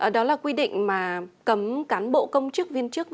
đó là quy định mà cấm cán bộ công chức viên chức